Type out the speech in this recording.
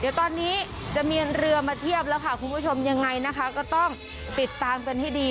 เดี๋ยวตอนนี้จะมีเรือมาเทียบแล้วค่ะคุณผู้ชมยังไงนะคะก็ต้องติดตามกันให้ดี